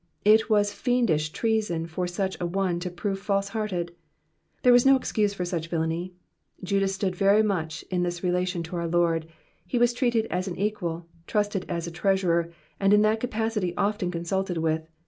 It was fiendish treason for such a one to prove falsehearted. There was no excuse for such villainy. Judas stood very much in this relation to our Lord, he was treated as an equal, trusted as treasurer, and in that capacity often consulted with.